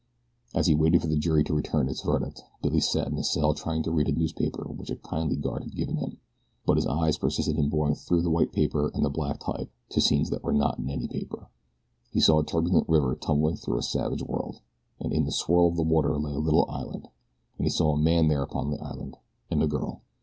As he waited for the jury to return its verdict Billy sat in his cell trying to read a newspaper which a kindly guard had given him. But his eyes persisted in boring through the white paper and the black type to scenes that were not in any paper. He saw a turbulent river tumbling through a savage world, and in the swirl of the water lay a little island. And he saw a man there upon the island, and a girl.